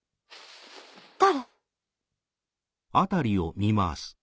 誰？